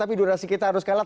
tapi durasi kita harus kalah